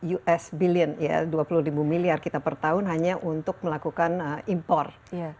us billion ya dua puluh ribu miliar kita per tahun hanya untuk melakukan impor